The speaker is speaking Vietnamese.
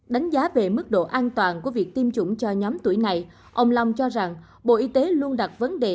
đánh giá về mức độ an toàn của việc tiêm chủng cho nhóm tuổi này ông long cho rằng bộ y tế luôn đặt vấn đề